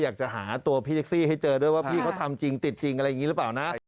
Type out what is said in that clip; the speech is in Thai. อยากจะหาตัวพี่แท็กซี่ให้เจอด้วยว่าพี่เขาทำจริงติดจริงอะไรอย่างนี้หรือเปล่านะ